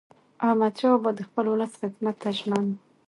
احمدشاه بابا د خپل ولس خدمت ته ژمن و.